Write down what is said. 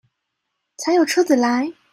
才有車子來